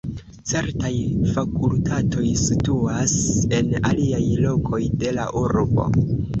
Certaj fakultatoj situas en aliaj lokoj de la urbo.